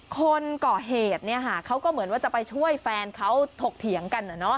คนก่อเหตุเขาก็เหมือนว่าจะไปช่วยแฟนเขาถกเถียงกัน